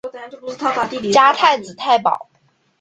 加太子太保。